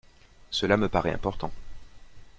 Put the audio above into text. Cela me paraît important.